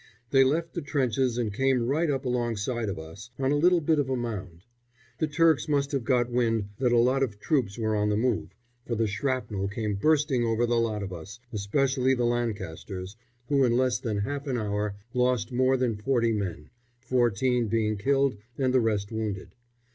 They left the trenches and came right up alongside of us, on a little bit of a mound. The Turks must have got wind that a lot of troops were on the move, for the shrapnel came bursting over the lot of us, especially the Lancasters, who in less than half an hour lost more than forty men, fourteen being killed and the rest wounded.